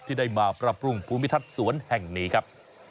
ที่ได้มาปรับปรุงภูมิทัศน์สวนแห่งนี้ครับ